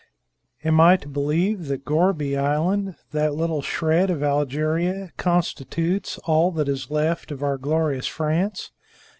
"Am I to believe that Gourbi Island, that little shred of Algeria, constitutes all that is left of our glorious France?